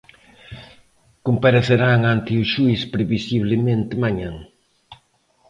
Comparecerán ante o xuíz, previsiblemente, mañá.